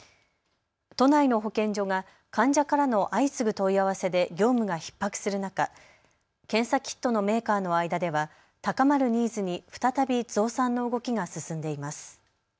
都内の保健所が患者からの相次ぐ問い合わせで業務がひっ迫する中、検査キットのメーカーの間では高まるニーズに再び増産の動きが進んでいます。